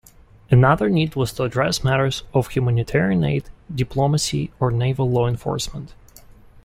Another need was to address matters of humanitarian aid, diplomacy, or naval law enforcement.